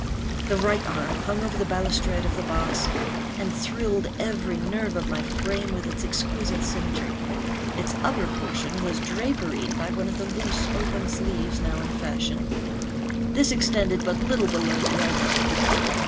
The right arm hung over the balustrade of the box, and thrilled every nerve of my frame with its exquisite symmetry. Its upper portion was draperied by one of the loose open sleeves now in fashion. This extended but little below the elbow.